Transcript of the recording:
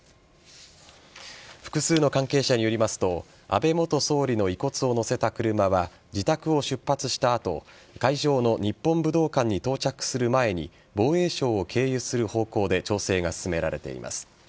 複数の関係者によると安倍元総理の遺骨を載せた車は自宅を出発した後会場の日本武道館に到着する前に防衛省を経由する方向で調整が進められています。